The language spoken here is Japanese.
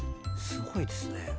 すごいですね。